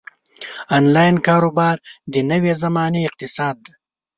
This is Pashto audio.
انلاین کاروبار د نوې زمانې اقتصاد دی.